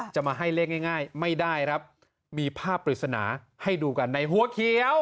จะมาให้เลขง่ายไม่ได้ครับมีภาพปริศนาให้ดูกันในหัวเขียว